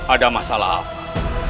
ada masalah apa